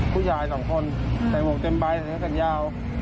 ผู้ยาย๒คนใส่วงเต็มไบท์ใส่เมืองกันยาว